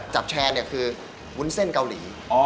จับแชร์เนี่ยคือวุ้นเส้นเกาหลี